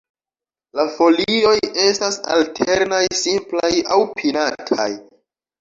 La folioj estas alternaj, simplaj aŭ pinataj.